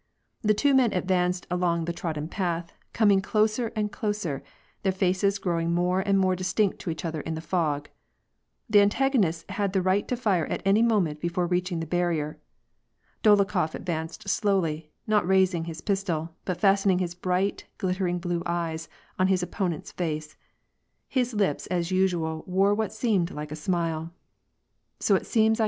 The two men advanced along the trod den path, coming closer and closer, their faces growing more and more distinct to each other in the fog. The antagonists had the right to fire at any moment before reaching the bar rier. Dolokhof advanced slowly, not raising his pistol, but fastening his bright, glittering blue eyes on his opponent's face. His lips as usu^ wore what seemed like a smile. " So it seems I